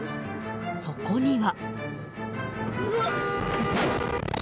そこには。